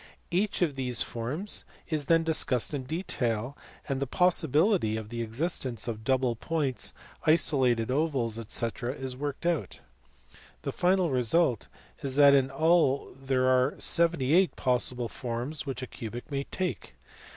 Each of these forms is then discussed in detail, and the possibility of the existence of double points, isolated ovals, &c. is worked out. The final result is that in all there are seventy eight possible forms which a cubic may take.